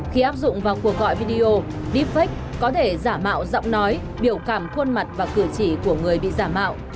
khi áp dụng vào cuộc gọi video deepfake có thể giả mạo giọng nói biểu cảm khuôn mặt và cử chỉ của người bị giả mạo